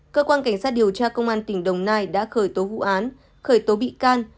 cơ quan cảnh sát điều tra công an tỉnh đồng nai đã khởi tố vụ án khởi tố bị can